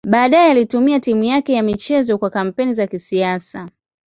Baadaye alitumia timu yake ya michezo kwa kampeni za kisiasa.